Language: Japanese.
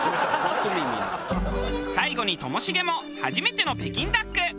最後にともしげも初めての北京ダック。